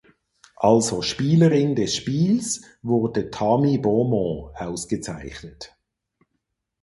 Also Spielerin des Spiels wurde Tammy Beaumont ausgezeichnet.